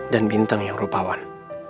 dan bintang yang rupawan